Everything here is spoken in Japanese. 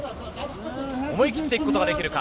思い切っていくことができるか。